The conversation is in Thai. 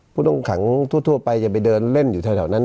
ผู้ต้องขังทั่วไปจะไปเดินเล่นอยู่แถวนั้น